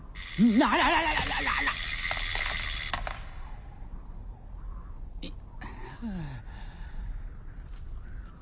あらららら⁉わっ‼